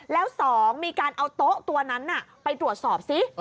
แล้ว๒มีการเอาโต๊ะตัวนั้นไปตรวจสอบซิ